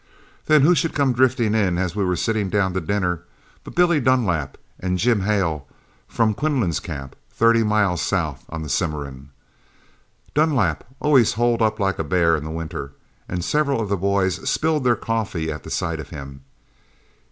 "Then who should come drifting in as we were sitting down to dinner, but Billy Dunlap and Jim Hale from Quinlin's camp, thirty miles south on the Cimarron. Dunlap always holed up like a bear in the winter, and several of the boys spilled their coffee at sight of him.